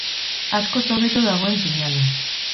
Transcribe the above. Askoz hobeto dagoen seinale.